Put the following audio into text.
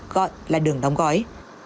gọi là đường đóng gói